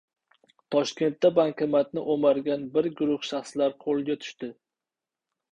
Toshkentda bankomatni o‘margan bir guruh shaxslar qo‘lga tushdi